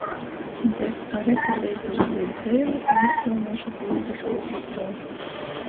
Bet ari paleidz radeit dzeivu i īkļaunūšu politiskū sistemu.